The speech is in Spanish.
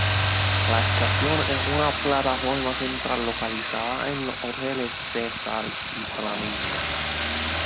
La estación es una plataforma central localizada en los hoteles Caesars y Flamingo.